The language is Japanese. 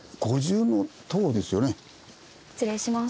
失礼します。